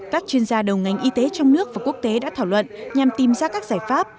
các chuyên gia đầu ngành y tế trong nước và quốc tế đã thảo luận nhằm tìm ra các giải pháp